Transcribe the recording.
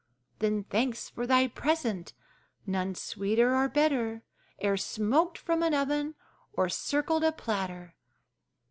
Then thanks for thy present! none sweeter or better E'er smoked from an oven or circled a platter!